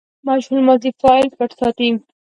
مجهول ماضي فاعل پټ ساتي.